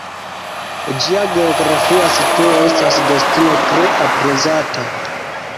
Ĝia geografia situo estas destino tre aprezata.